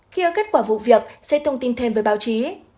khi có kết quả vụ việc sẽ thông tin thêm với báo chí